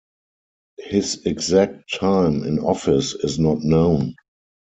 His exact time in office is not known.